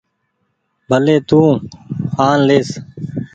ڀلي تو آن ليس۔